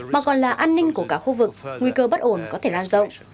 mà còn là an ninh của cả khu vực nguy cơ bất ổn có thể lan rộng